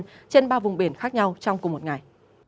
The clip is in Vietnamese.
trên ba vùng biển khác nhau trong cùng một ngày